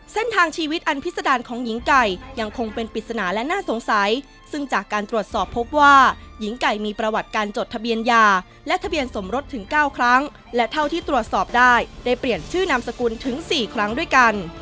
เส้นทางชีวิตอันพิษดารของหญิงไก่ยังคงเป็นปริศนาและน่าสงสัยซึ่งจากการตรวจสอบพบว่าหญิงไก่มีประวัติการจดทะเบียนยาและทะเบียนสมรสถึง๙ครั้งและเท่าที่ตรวจสอบได้ได้เปลี่ยนชื่อนามสกุลถึง๔ครั้งด้วยกัน